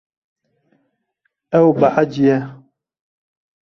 Ew behecî ye.